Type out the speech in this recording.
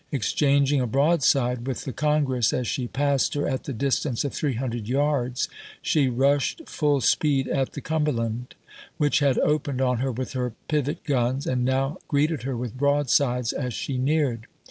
Exchanging a broadside ^igeJ^' with the Congress as she passed her at the distance of three hundred yards, she rushed full speed at the Cumherland, whiGh. had opened on her with her pivot guns, and now greeted her with broadsides as she neared.